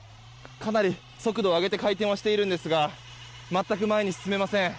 かなり速度を上げて回転しているんですが全く前に進めません。